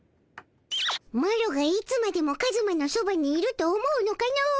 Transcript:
マロがいつまでもカズマのそばにいると思うのかの。